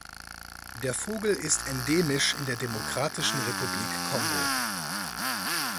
Der Vogel ist endemisch in der Demokratischen Republik Kongo.